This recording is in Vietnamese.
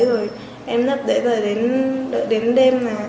rồi em nấp để đợi đến đêm